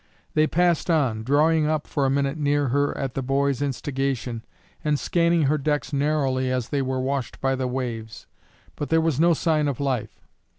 They passed on, drawing up for a minute near her at the boy's instigation, and scanning her decks narrowly as they were washed by the waves, but there was no sign of life.